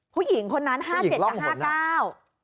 ผู้หญิงคนนั้น๕๗๗และ๕๙๙